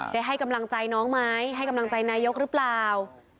ให้กำลังใจน้องไหมให้กำลังใจนายกหรือเปล่า